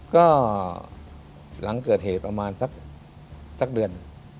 ก็หลังเกิดเหตุประมาณสักเดือน